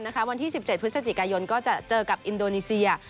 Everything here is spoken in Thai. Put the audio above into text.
วันที่๑๗พฤศจิกายนก็จะเจอกับอินโดนีเซีย